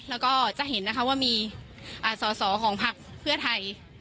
แล้วก็จะเห็นนะคะว่ามีสอสอของพักเพื่อไทย